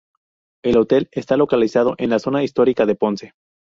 El hotel está localizado en la Zona Histórica de Ponce.